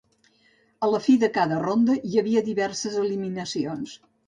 A la fi de cada ronda hi havia diverses eliminacions.